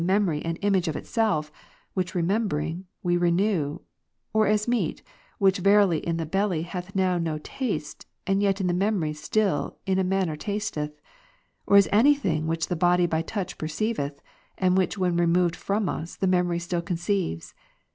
191 memory an image of itself, which remembering, we renew, or as meat, which verily in the belly hath now no taste, and yet in the memory still in a manner tasteth ; or as any thing which the body by touch perceiveth, and which when re moved from us, the memory still conceives.